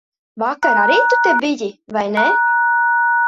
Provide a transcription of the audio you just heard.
Vakar arī tu te biji, vai ne?